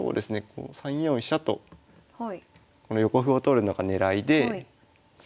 ３四飛車とこの横歩を取るのが狙いで。